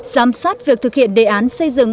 giám sát việc thực hiện các bộ ngành địa phương